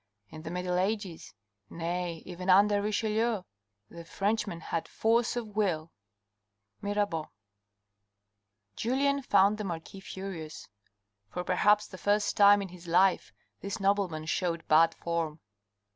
In the middle ages, nay, even under Richelieu, the Frenchman had force ofivill. —Mirabeau, Julien found the marquis furious. For perhaps the first time in his life this nobleman showed bad form.